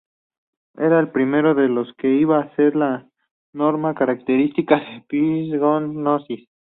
Era el primero de lo que iba a ser la norma característica en Psygnosis.